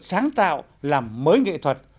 sáng tạo làm mới nghệ thuật